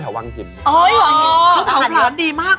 เป็นคนชอบทะเลมาก